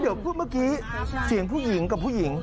เดี๋ยวพูดเมื่อกี้เสียงผู้หญิงกับผู้หญิง